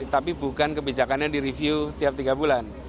tapi bukan kebijakannya direview tiap tiga bulan